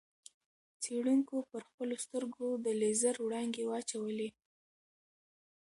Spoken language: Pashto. څېړونکو پر خپلو سترګو د لېزر وړانګې واچولې.